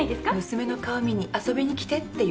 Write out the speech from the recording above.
「娘の顔見に遊びに来て」って言われたの。